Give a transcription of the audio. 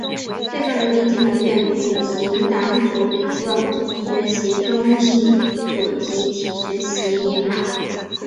最高人民检察院举行党组理论学习中心组集体学习研讨